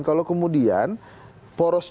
kalau kemudian poros